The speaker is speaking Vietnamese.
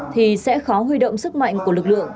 thì sẽ khó huy động sức mạnh của lực lượng